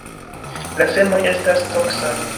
La semoj estas toksaj.